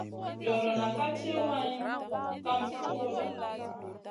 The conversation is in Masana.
Joriona ka tchi wayn kam sunguda.